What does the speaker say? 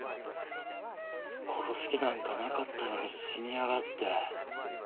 殺す気なんかなかったのに死にやがって。